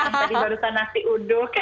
tadi barusan nasi uduk